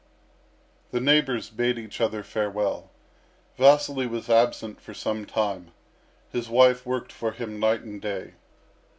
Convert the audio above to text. The neighbours bade each other farewell. Vasily was absent for some time. His wife worked for him night and day.